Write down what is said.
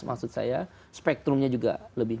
maksud saya spektrumnya juga lebih